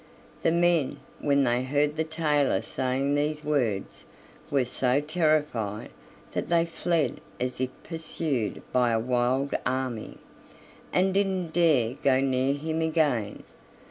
The men, when they heard the tailor saying these words, were so terrified that they fled as if pursued by a wild army, and didn't dare go near him again.